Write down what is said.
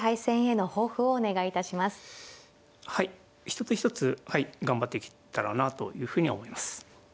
一つ一つ頑張っていけたらなというふうには思います。